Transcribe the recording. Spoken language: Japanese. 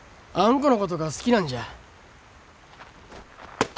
このことが好きなんじゃ。